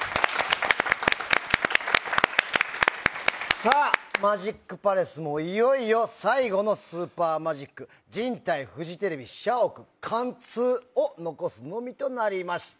さあ、マジックパレスもいよいよ最後のスーパーマジック人体フジテレビ社屋貫通を残すのみとなりました。